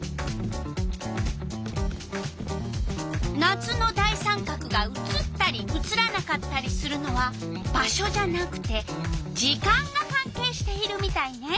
夏の大三角が写ったり写らなかったりするのは場所じゃなくて時間がかんけいしているみたいね。